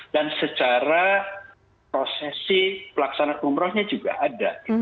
dan secara prosesi pelaksanaan umrohnya juga ada